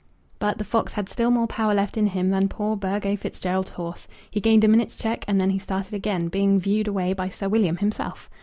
But the fox had still more power left in him than poor Burgo Fitzgerald's horse. He gained a minute's check and then he started again, being viewed away by Sir William himself.